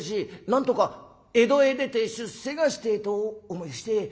なんとか江戸へ出て出世がしてえと思いやして。